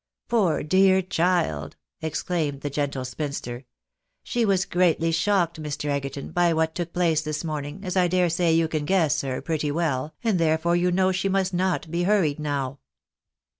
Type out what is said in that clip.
" Poor dear child !" exclaimed the gentle spinster. " She was greatly shocked, Mr. Egerton, by what took place this morning, as I dare say you can guess, sir, pretty well, and therefore you know she must not be hurried now."